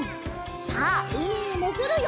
さあうみにもぐるよ！